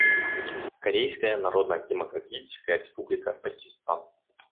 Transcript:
Корейская Народно-Демократическая Республика, Пакистан.